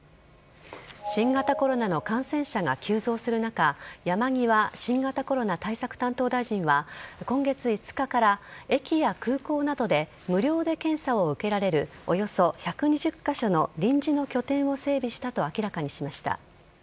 新型コロナの感染者が急増する中、山際新型コロナ対策担当大臣は、今月５日から駅や空港などで無料で検査を受けられるおよそ１２０か所の臨時の拠点を整備したと明らかにしました。